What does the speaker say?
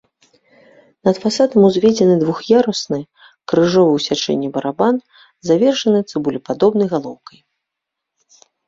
Над фасадам узведзены двух'ярусны крыжовы ў сячэнні барабан, завершаны цыбулепадобнай галоўкай.